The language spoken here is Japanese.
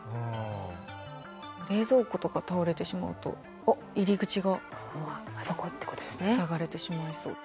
冷蔵庫とか倒れてしまうと入り口が塞がれてしまいそう。